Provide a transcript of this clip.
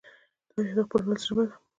تاریخ د خپل ولس ژبه ده.